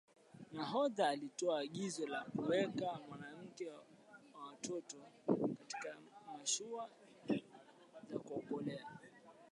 nahodha alitoa agizo la kuweka wanawake na watoto katika mashua za kuokolea